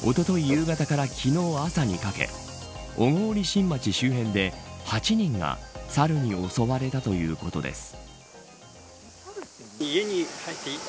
夕方から昨日、朝にかけ小郡新町周辺で８人がサルに襲われたということです。